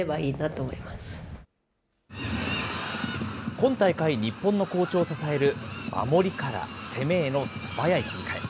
今大会、日本の好調を支える守りから攻めへの素早い切り替え。